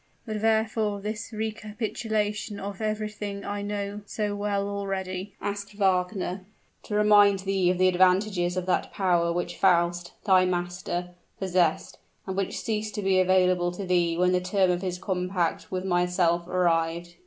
"But wherefore this recapitulation of everything I know so well already?" asked Wagner. "To remind thee of the advantages of that power which Faust, thy master, possessed, and which ceased to be available to thee when the term of his compact with myself arrived.